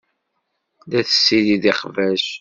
La tessirideḍ iqbac.